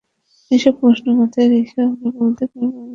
এসব প্রশ্ন মাথায় রেখেও আমরা বলতে পারব, আমাদের শিক্ষার মান পড়ে গেছে।